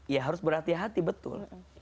ya harus berhati hati betul